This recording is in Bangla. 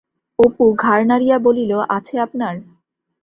অপু ঘাড় নাড়িয়া বলিল, আছে আপনার?